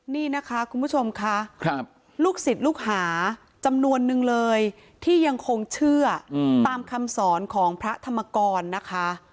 นี่นะคะคุณผู้ชมค่ะลูกศิษย์ลูกหาจำนวนนึงเลยที่ยังคงเชื่อตามคำสอนของพระธรรมกรนะคะ